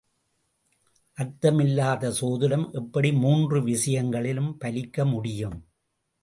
அர்த்தமில்லாத சோதிடம் எப்படி மூன்று விஷயங்களிலும் பலிக்க முடியும்?